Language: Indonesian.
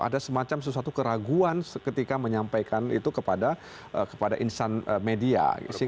ada semacam sesuatu keraguan ketika menyampaikan itu kepada insan media